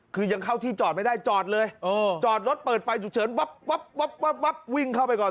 คือยังเข้าที่จอดไม่ได้จอดเลยจอดรถเปิดไฟฉุกเฉินวับวิ่งเข้าไปก่อน